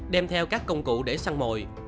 đem theo các công cụ để săn mồi